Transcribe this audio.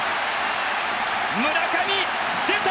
村上、出た！